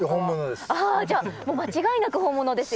あじゃあもう間違いなく本物ですよ。